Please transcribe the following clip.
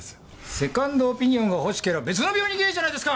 セカンドオピニオンが欲しけりゃ別の病院に行きゃあいいじゃないですか！